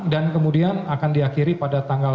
dan kemudian akan diakhiri pada tanggal satu